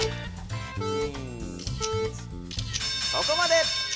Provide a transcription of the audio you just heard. そこまで！